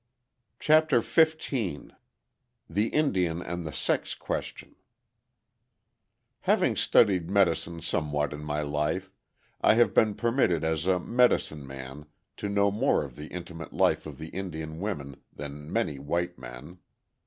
CHAPTER XV THE INDIAN AND THE SEX QUESTION Having studied medicine somewhat in my life, I have been permitted as a "medicine man" to know more of the intimate life of the Indian women than many white men.